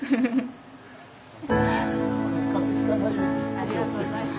ありがとうございます。